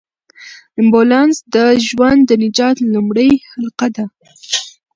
امبولانس د ژوند د نجات لومړۍ حلقه ده.